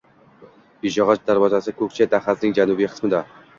Beshog‘och darvozasi – Ko‘kcha dahasining janubiy qismida.